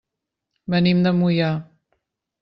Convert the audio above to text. Venim de Moià.